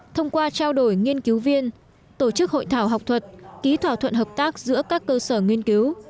thông qua trao đổi nghiên cứu viên tổ chức hội thảo học thuật ký thỏa thuận hợp tác giữa các cơ sở nghiên cứu